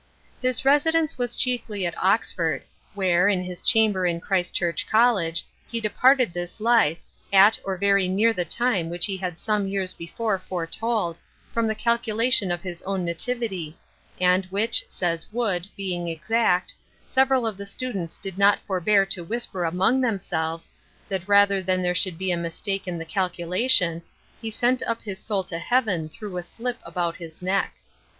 His residence was chiefly at Oxford; where, in his chamber in Christ Church College, he departed this life, at or very near the time which he had some years before foretold, from the calculation of his own nativity, and which, says Wood, being exact, several of the students did not forbear to whisper among themselves, that rather than there should be a mistake in the calculation, he sent up his soul to heaven through a slip about his neck.